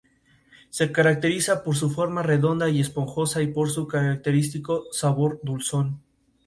Además de la producción de carne y otros alimentos extraídos de dichos animales.